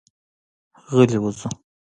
غلي وځو.